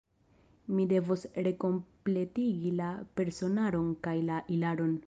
Mi devos rekompletigi la personaron kaj la ilaron.